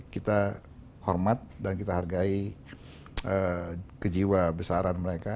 kita hormat dan kita hargai kejiwa besaran mereka